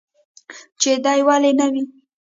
چې دى ولي نه وي.